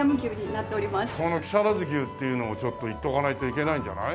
この木更津牛っていうのをちょっといっとかないといけないんじゃない？